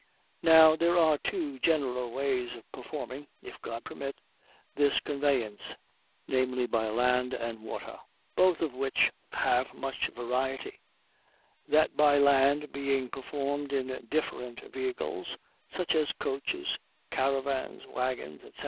Now there are two general ways of performing (if God permit) this conveyance, viz., by land and water, both of which have much variety; that by land being performed in different vehicles, such as coaches, caravans, wagons, etc.